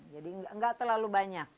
jadi tidak terlalu banyak